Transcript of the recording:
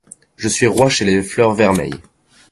Je suis roi chez les fleurs vermeilles.